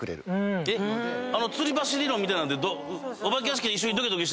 つり橋理論みたいなのって。